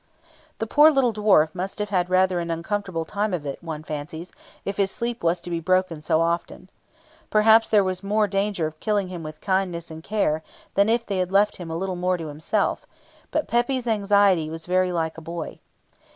The poor little dwarf must have had rather an uncomfortable time of it, one fancies, if his sleep was to be broken so often. Perhaps there was more danger of killing him with kindness and care, than if they had left him more to himself; but Pepy's anxiety was very like a boy.